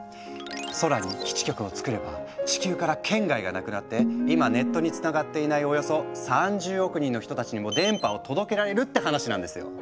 空に基地局をつくれば地球から圏外がなくなって今ネットにつながっていないおよそ３０億人の人たちにも電波を届けられるって話なんですよ。